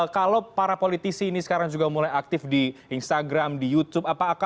kalau para politisi ini sekarang juga mulai aktif di instagram di youtube